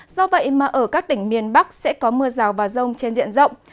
do vậy mà ở các tỉnh miền bắc sẽ có mưa rào và rông trên diện rộng